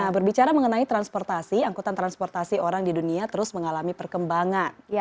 nah berbicara mengenai transportasi angkutan transportasi orang di dunia terus mengalami perkembangan